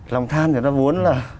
lòng tham thì nó vốn là